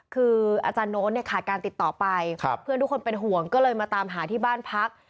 คืออาจารย์โน้ตเนี่ยขาดการติดต่อไปเพื่อนทุกคนเป็นห่วงก็เลยมาตามหาที่บ้านพัก